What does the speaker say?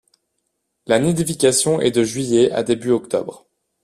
La nidification est de juillet à début octobre.